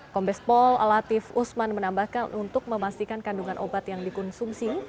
kombespol latif usman menambahkan untuk memastikan kandungan obat yang dikonsumsi